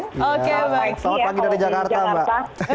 oke baik selamat pagi dari jakarta mbak